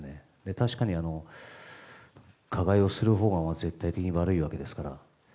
確かに、加害をするほうが絶対的に悪いわけですから。